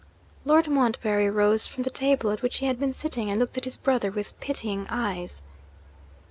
Lord Montbarry rose from the table at which he had been sitting, and looked at his brother with pitying eyes.